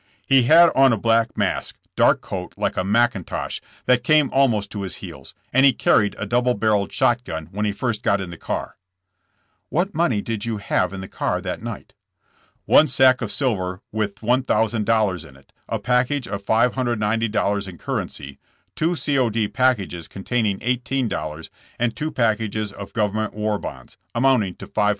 He had on a black mask, dark coat like a mack intosh, that came almost to his heels, and he carried a double barreled shot gun when he first got in the car. '' "What money did you have in the car that night?" *'One sack of silver with $1,000 in it, a package of $590 in currency, two C. 0. D. packages contain ing $18 and two packages of government war bonds, amounting to $560."